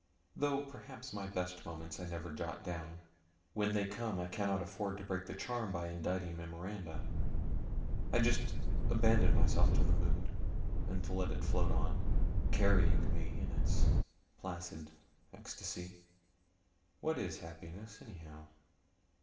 (Though perhaps my best moments I never jot down; when they come I cannot afford to break the charm by inditing memoranda. I just abandon myself to the mood, and let it float on, carrying me in its placid extasy.) What is happiness, anyhow?